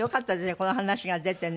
この話が出てね。